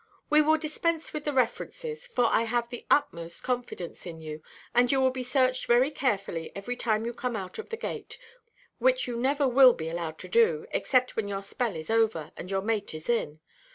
We will dispense with the references, for I have the utmost confidence in you, and you will be searched very carefully every time you come out of the gate—which you never will be allowed to do, except when your spell is over, and your mate is in.